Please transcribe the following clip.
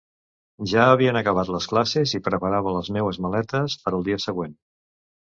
Ja havien acabat les classes i preparava les meues maletes per al dia següent.